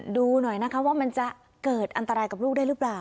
ดูหน่อยนะคะว่ามันจะเกิดอันตรายกับลูกได้หรือเปล่า